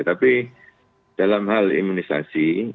tapi dalam hal imunisasi